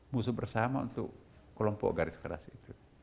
musuh bersama untuk kelompok garis keras itu